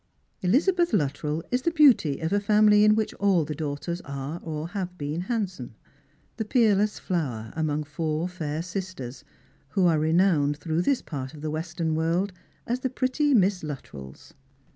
Elizabeth Luttrell is the beauty of a family in which all the daughters are or have been handsome — the peerless flower among four fair sisters, who are renowned through this part of the western world as the pretty Miss Luttrells.